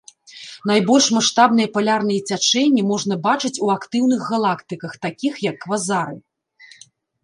Найбольш маштабныя палярныя цячэнні можна бачыць у актыўных галактыках, такіх як квазары.